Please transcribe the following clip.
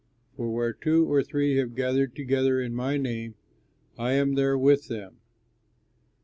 For where two or three have gathered together in my name, I am there with them."